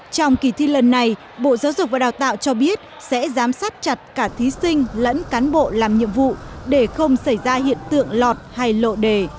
trong kỳ thi lần này bộ giáo dục và đào tạo cho biết sẽ giám sát chặt cả thí sinh lẫn cán bộ làm nhiệm vụ để không xảy ra hiện tượng lọt hay lộ đề